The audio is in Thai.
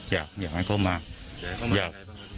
อยากให้เขามา